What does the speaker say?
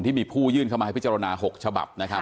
ที่มีผู้ยื่นเข้ามาให้พิจารณา๖ฉบับนะครับ